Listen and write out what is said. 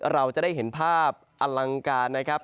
เราจะได้เห็นภาพอลังการนะครับ